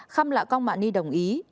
khăm lạ công mạ ni đồng ý